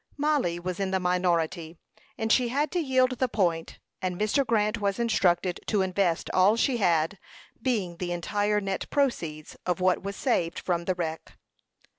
Mollie was in the minority, and she had to yield the point; and Mr. Grant was instructed to invest all she had, being the entire net proceeds of what was saved from the wreck.